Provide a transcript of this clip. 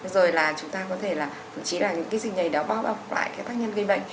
rồi là chúng ta có thể là chỉ là những cái dịch nhầy đó bóp lại các tác nhân gây bệnh